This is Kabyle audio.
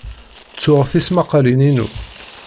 Ttuɣ tismaqqalin-inu.